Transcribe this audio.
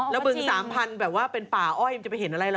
แล้วผึ้ง๓พันธุ์แบบว่าเป็นป่าอ้อยจะไปเห็นอะไร